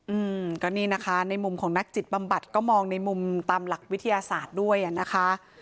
อืมก็นี่นะคะในมุมของนักจิตบำบัดก็มองในมุมตามหลักวิทยาศาสตร์ด้วยอ่ะนะคะ